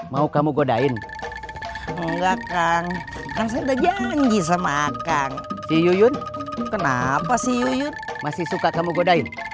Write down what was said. mau kamu godain enggak kang kan saya udah janji sama kang si yuyun kenapa sih yuyun masih suka kamu godain